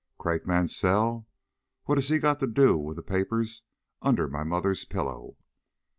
"Craik Mansell? What has he got to do with the papers under my mother's pillow?"